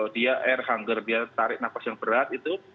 dia air hunger dia tarik nafas yang berat itu